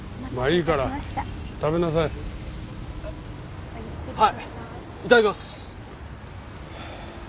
いただきます。